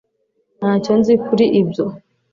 ntacyo nzi kuri ibyo